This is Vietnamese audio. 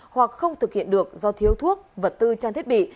hoặc không thực hiện được do thiếu thuốc vật tư trang thiết bị